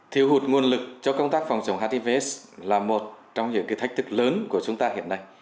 thiêu hụt nguồn lực cho công tác phòng chống hiv s là một trong những thách thức lớn của chúng ta hiện nay